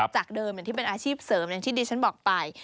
จากเดิมอย่างที่เป็นอาชีพเสริมอย่างที่ดิฉันบอกไป